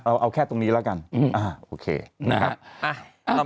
เอาแค่ตรงนี้แล้วกันโอเคนะครับ